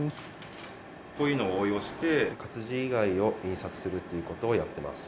こういうのを応用して活字以外を印刷するっていう事をやってます。